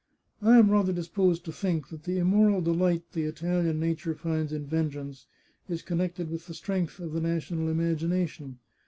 I am rather disposed to think that the immoral delight the Italian nature finds in vengeance is connected with the strength of the na tional imagination.